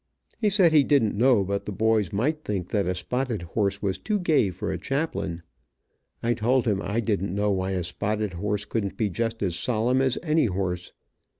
He said he didn't know but the boys might think that a spotted horse was too gay for a chaplain. I told him I didn't know why a spotted horse couldn't be just as solemn as any horse.